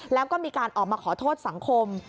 แล้วก็มีการออกมาขอโทษสังคม